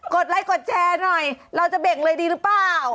ดไลค์กดแชร์หน่อยเราจะเบ่งเลยดีหรือเปล่า